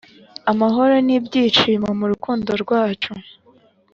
amahoro n’ibyishimo murukundo rwacu